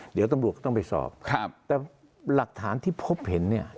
เดี๋ยวตำรวจก็ต้องไปสอบครับแต่หลักฐานที่พบเห็นเนี่ย